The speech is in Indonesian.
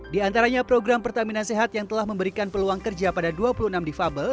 di antaranya program pertamina sehat yang telah memberikan peluang kerja pada dua puluh enam difabel